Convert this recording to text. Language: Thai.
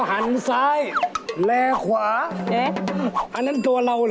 หันซ้ายแลขวาอันนั้นตัวเราเหรอ